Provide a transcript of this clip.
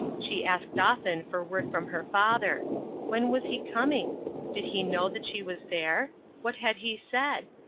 She asked often for word from her father. When was he coming ? Did he know that she was there ? What had he said